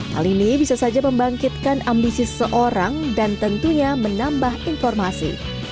hal ini bisa saja membangkitkan ambisi seorang dan tentunya menambah informasi